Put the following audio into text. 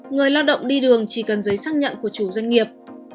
người lao động đi đường chỉ cần giấy xác nhận của chủ doanh nghiệp